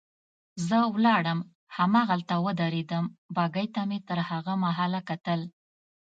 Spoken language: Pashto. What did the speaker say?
زه ولاړم هماغلته ودرېدم، بګۍ ته مې تر هغه مهاله کتل.